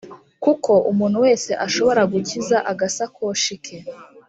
kuko umuntu wese ashobora gukiza agasakoshi ke,